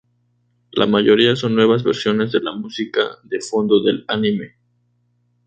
La mayoría son nuevas versiones de la música de fondo del anime.